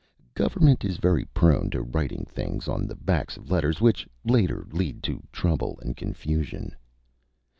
Government is very prone to writing things on the backs of letters which, later, lead to trouble and confusion.